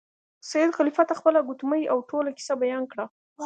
سید خلیفه ته خپله ګوتمۍ او ټوله کیسه بیان کړه.